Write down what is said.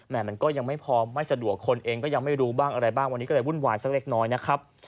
มันก็ยังไม่พอไม่สะดวกคนเองก็ยังไม่รู้บ้างอะไรบ้างวันนี้ก็เลยวุ่นวายสักเล็กน้อยนะครับ